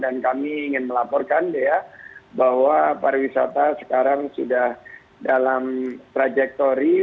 dan kami ingin melaporkan bahwa pariwisata sekarang sudah dalam trajektori